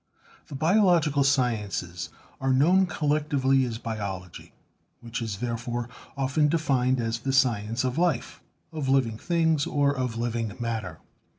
The biological sciences are known collectively as biology, which is therefore often defined as the science of life, of living things, or of living matter.